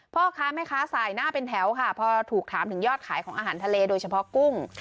พ่อค้าแม่ค้าสายหน้าเป็นแถวค่ะพอถูกถามถึงยอดขายของอาหารทะเลโดยเฉพาะกุ้ง